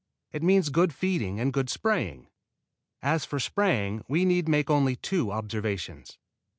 It means good feeding and good spraying. As for spraying we need make only two observations.